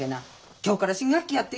今日から新学期やっていうのに。